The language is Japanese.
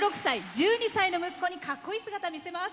１２歳の息子にかっこいい姿を見せます。